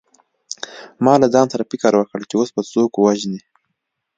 ما له ځان سره فکر وکړ چې اوس به څوک وژنې